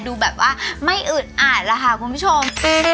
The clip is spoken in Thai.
ดูแบบว่าไม่อืดอาดแล้วค่ะคุณผู้ชม